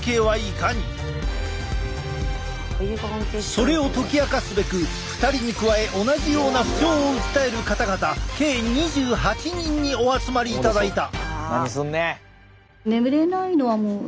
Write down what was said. それを解き明かすべく２人に加え同じような不調を訴える方々計２８人にお集まりいただいた。